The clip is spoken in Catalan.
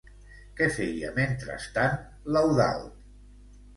Què feia mentrestant l'Eudald?